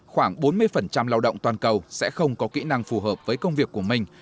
khoảng bốn mươi lao động toàn cầu sẽ không có kỹ năng phù hợp với công việc của mình